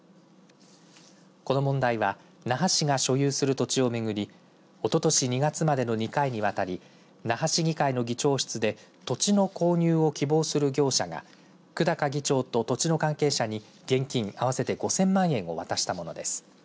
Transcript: この問題は那覇市が所有する土地を巡りおととし２月までの２回にわたり那覇市議会の議長室で土地の購入を希望する業者が久高議長と土地の関係者に現金合わせて５０００万円を渡したものです。